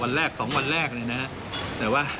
วันแรกสองวันแรกเนี่ยนะฮะ